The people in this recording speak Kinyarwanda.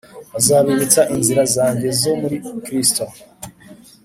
Azabibutsa inzira zanjye zo muri Kristo